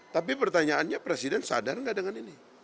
tapi pertanyaannya presiden sadar nggak dengan ini